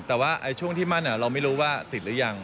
แต่ว่าช่วงที่มั่นเราไม่รู้ว่าติดหรือยัง